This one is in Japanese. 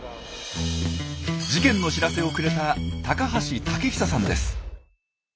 事件の知らせをくれた高橋毅寿さんです。